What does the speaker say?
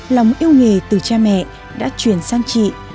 lòng yêu nghề từ cha mẹ đã chuyển sang chị